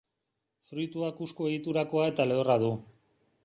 Fruitua kusku egiturakoa eta lehorra du.